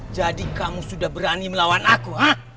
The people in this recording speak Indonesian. jadi kamu sudah berani melawan aku